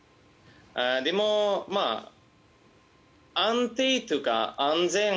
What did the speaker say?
でも、安定というか安全。